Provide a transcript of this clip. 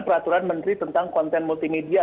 peraturan menteri tentang konten multimedia